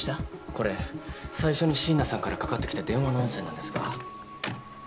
これ最初に椎名さんからかかってきた電話の音声なんですが。